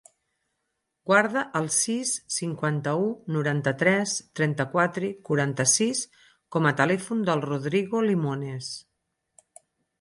Guarda el sis, cinquanta-u, noranta-tres, trenta-quatre, quaranta-sis com a telèfon del Rodrigo Limones.